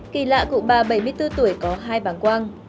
kỳ lạ cụ bà bảy mươi bốn tuổi có hai bàng quang